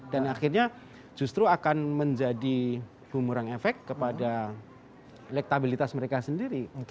dan akhirnya justru akan menjadi humuran efek kepada elektabilitas mereka sendiri